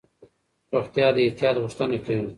روغتیا د احتیاط غوښتنه کوي.